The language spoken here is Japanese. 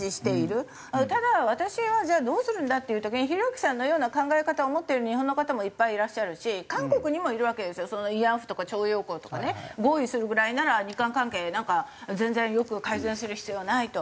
ただ私はじゃあどうするんだっていう時にひろゆきさんのような考え方を持ってる日本の方もいっぱいいらっしゃるし韓国にもいるわけですよ慰安婦とか徴用工とかね合意するぐらいなら日韓関係なんか全然良く改善する必要はないと。